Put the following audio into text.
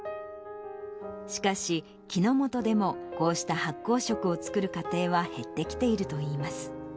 しかし、木之本でも、こうした発酵食を作る家庭は減ってきているといいます。